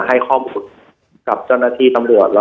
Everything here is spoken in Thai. วันนี้แม่ช่วยเงินมากกว่า